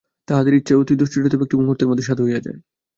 তাঁহাদের ইচ্ছায় অতি দুশ্চরিত্র ব্যক্তিও মুহূর্তের মধ্যে সাধু হইয়া যায়।